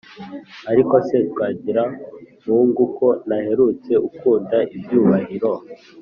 Ariko se Twagiramungu, ko naherutse ukunda ibyubahiro,